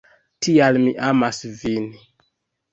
Tial mi amas vin